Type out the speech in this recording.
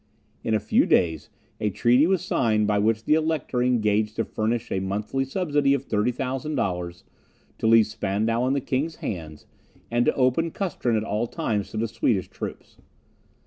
In a few days, a treaty was signed, by which the Elector engaged to furnish a monthly subsidy of 30,000 dollars, to leave Spandau in the king's hands, and to open Custrin at all times to the Swedish troops.